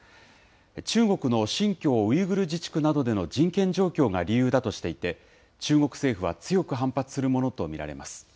中国の新疆ウイグル自治区などでの人権状況が理由だとしていて、中国政府は強く反発するものと見られます。